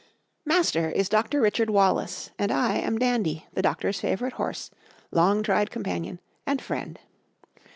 Master is Dr. Richard Wallace and I am Dandy, the doctor's favorite horse, long tried companion and friend.